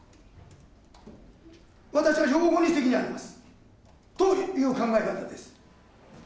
私は両方に責任があります、という考え方です。